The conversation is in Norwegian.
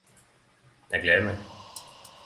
Eg gler meg.